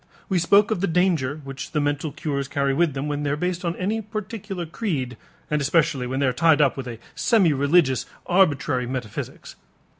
We spoke of the danger which the mental cures carry with them when they are based on any particular creed, and especially when they are tied up with a semi religious arbitrary metaphysics.